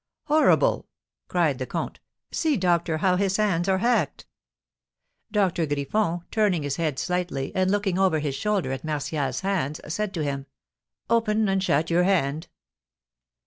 "Horrible!" cried the comte. "See, doctor, how his hands are hacked!" Doctor Griffon, turning his head slightly, and looking over his shoulder at Martial's hands, said to him, "Open and shut your hand."